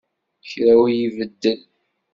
Kra ur ibeddel.